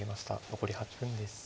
残り８分です。